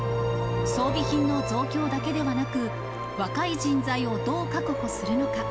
装備品の増強だけではなく、若い人材をどう確保するのか。